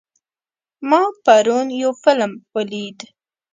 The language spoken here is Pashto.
ما پرون یو فلم ولید.